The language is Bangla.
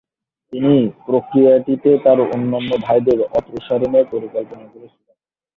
তিনি প্রক্রিয়াটিতে তাঁর অন্যান্য ভাইদের অপসারণের পরিকল্পনা করেছিলেন।